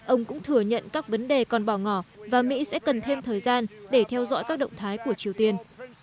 ông cũng thừa nhận các vấn đề còn bỏ ngỏ và mỹ sẽ cần thêm thời gian để theo dõi các động thái của triều tiên